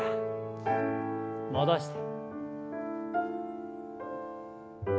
戻して。